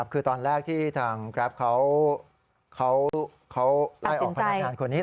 คือตอนแรกที่ทางแกรปเขาไล่ออกพนักงานคนนี้